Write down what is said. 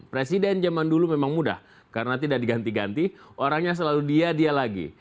presiden zaman dulu memang mudah karena tidak diganti ganti orangnya selalu dia dia lagi